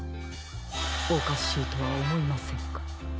おかしいとはおもいませんか？